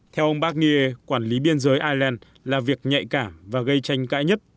theo ông barnierre quản lý biên giới ireland là việc nhạy cảm và gây tranh cãi nhất